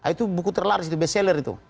itu buku terlaris best seller itu